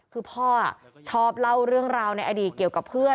คือพ่อชอบเล่าเรื่องราวในอดีตเกี่ยวกับเพื่อน